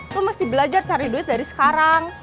lo mesti belajar cari duit dari sekarang